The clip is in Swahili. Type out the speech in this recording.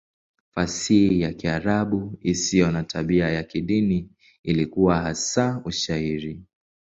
Fasihi ya Kiarabu isiyo na tabia ya kidini ilikuwa hasa Ushairi.